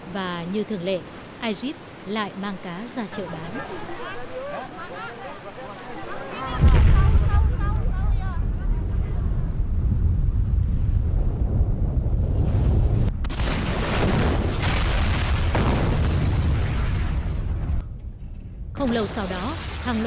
và như thường lệ aliret lại mang cá ra chợ bán